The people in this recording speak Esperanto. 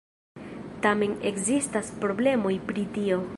Tamen ekzistas problemoj pri tio.